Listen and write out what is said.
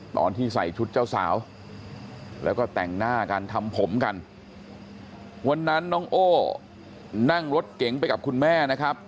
ตอนที่ใส่ชุดเจ้าสาวแล้วก็แต่งหน้ากันทำผมกันวันนั้นน้องโอ้นั่งรถเก๋งไปกับคุณแม่นะครับ